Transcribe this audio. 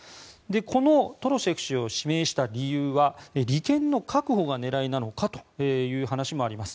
このトロシェフ氏を指名した理由は利権の確保が狙いなのかという話もあります。